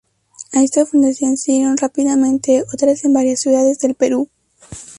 A esta fundación siguieron rápidamente otras en varias ciudades del Perú.